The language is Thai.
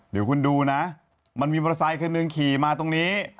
เดี๋ยวคุณดูนะมันมีมอเตอร์ไซคันหนึ่งขี่มาตรงนี้